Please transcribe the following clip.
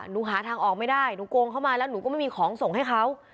หาทางออกไม่ได้หนูโกงเข้ามาแล้วหนูก็ไม่มีของส่งให้เขา